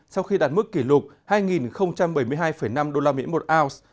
sau khi đạt mức kỷ lục hai bảy mươi hai năm usd một ounce